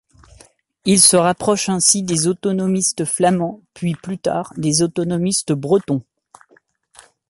Il se rapproche ainsi des autonomistes flamands, puis, plus tard, des autonomistes bretons.